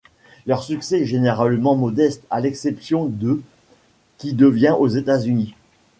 Leur succès est généralement modeste, à l'exception de ', qui devient aux États-Unis.